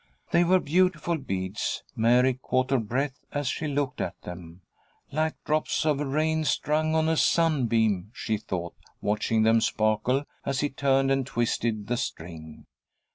They were beautiful beads. Mary caught her breath as she looked at them. "Like drops of rain strung on a sunbeam," she thought, watching them sparkle as he turned and twisted the string.